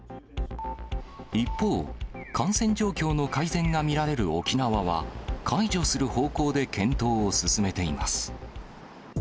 一方、感染状況の改善が見られる沖縄は、解除する方向で検討を進めています。